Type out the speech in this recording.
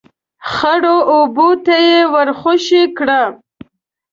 ، خړو اوبو ته يې ور خوشی کړه.